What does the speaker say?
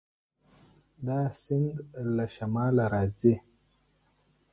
دا سیند له شماله راځي.